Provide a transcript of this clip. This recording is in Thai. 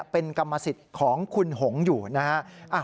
เป็นกรรมสิทธิ์ของคุณหงอยู่นะฮะ